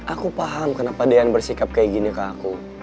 aku paham kenapa dia bersikap kayak gini ke aku